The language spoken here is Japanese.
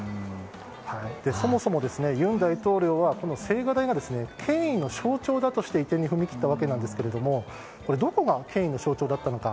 そもそも尹大統領は青瓦台が権威の象徴だとして移転に踏み切ったわけなんですがどこが権威の象徴だったのか。